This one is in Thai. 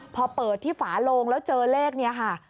พอเปิดที่ฝาโลงแล้วเจอเลขนี้ค่ะ